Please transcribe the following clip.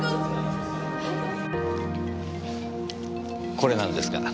これなんですが。